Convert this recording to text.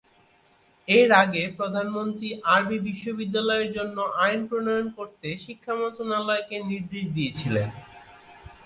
এর আগে প্রধানমন্ত্রী আরবি বিশ্ববিদ্যালয়ের জন্য আইন প্রণয়ন করতে শিক্ষা মন্ত্রণালয়কে নির্দেশ দিয়েছিলেন।